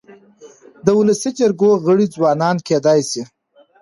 د ولسي جرګو غړي ځوانان کيدای سي.